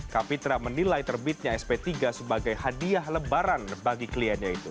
kapitra menilai terbitnya sp tiga sebagai hadiah lebaran bagi kliennya itu